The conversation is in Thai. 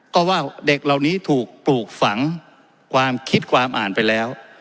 ก็ว่าเด็กเหล่านี้ถูกปลูกฝังความคิดความอ่านไปแล้ว